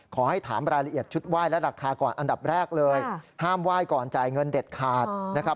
ขอให้ถามรายละเอียดชุดไหว้และราคาก่อนอันดับแรกเลยห้ามไหว้ก่อนจ่ายเงินเด็ดขาดนะครับ